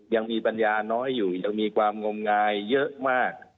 ยังมีปัญญาน้อยอยู่ยังมีความงมงายเยอะมาก